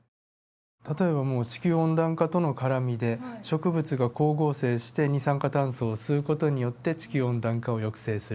例えばもう地球温暖化との絡みで植物が光合成して二酸化炭素を吸う事によって地球温暖化を抑制する。